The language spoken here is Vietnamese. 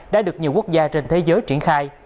đã được nhiều quốc gia trên thế giới triển khai